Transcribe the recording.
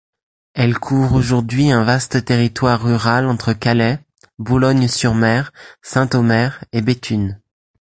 Elle couvre aujourd'hui un vaste territoire rural entre Calais, Boulogne-sur-Mer, Saint-Omer et Béthune.